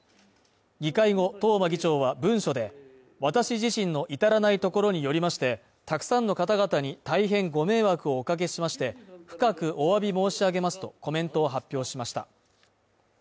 議会後、東間議長は文書で、私自身の至らないところによりまして、たくさんの方々に大変ご迷惑をおかけしまして深くお詫び申し上げますとコメントを発表しました。